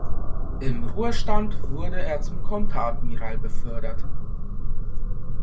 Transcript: Im Ruhestand wurde er zum Konteradmiral befördert.